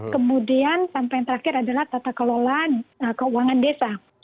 kemudian sampai terakhir adalah tata kelolaan keuangan desa